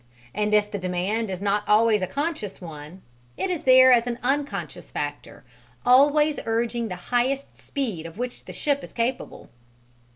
And if the demand is not always a conscious one, it is there as an unconscious factor always urging the highest speed of which the ship is capable.